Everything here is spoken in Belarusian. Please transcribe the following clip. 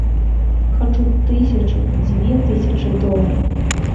Хачу тысячу, дзве тысячы долараў.